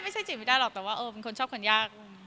จีบไม่ได้หรอกแต่ว่าเออเป็นคนชอบคนยาก